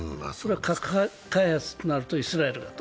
核開発となるとイスラエルだと。